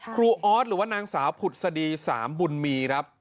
ครูออธหรือว่านางสาวผุดสดีสามบุญมี